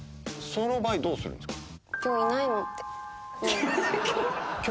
その場合どうするんですか？